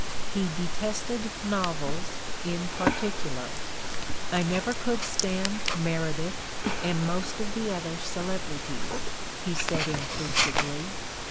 He "detested" novels, in particu lar: "I never could stand Meredith and most of the other celebrities," he said, inclusively.